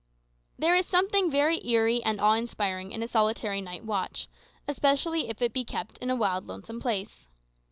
There is something very eerie and awe inspiring in a solitary night watch, especially if it be kept in a wild, lonesome place.